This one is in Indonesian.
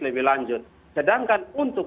lebih lanjut sedangkan untuk